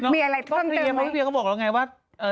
พี่เวียก็บอกแล้วไงว่า